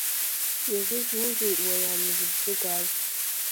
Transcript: Иазыжәузеи, уара ани зыбжьы газ?